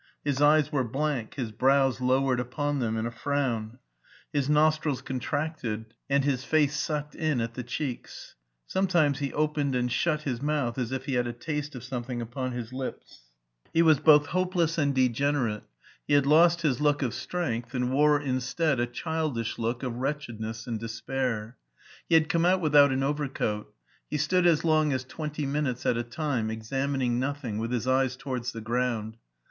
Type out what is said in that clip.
His eyes were blank, his brows lowered upon them in a frown, his nostrils contracted, and his face sucked in at the cheeks. Sometimes he opened and shut his mouth, as if he had a taste of something upon his lips. He was 282 MARTIN SCHULER both h(^>eless and d^nenerate, he had lost his look of strength, and wore instead a childish look of wretched ness and despair. He had come out without an over coat He stood as long as twenty minutes at a time, examining nothing, with his eyes towards the ground.